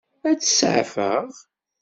Ad tt-seɛfeɣ?